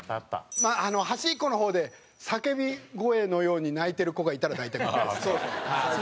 端っこの方で叫び声のように泣いてる子がいたら大体ここですね。